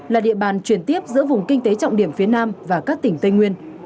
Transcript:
là địa bàn truyền tiếp giữa vùng kinh tế trọng điểm phía nam và các tỉnh tây nguyên